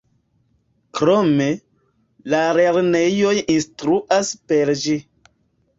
Krome, la lernejoj instruas per ĝi.